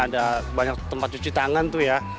ada banyak tempat cuci tangan tuh ya